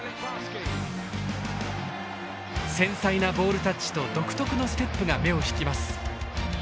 繊細なボールタッチと独特のステップが目を引きます。